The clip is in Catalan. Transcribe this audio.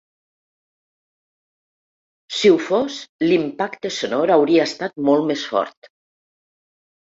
Si ho fos, l’impacte sonor hauria estat molt més fort.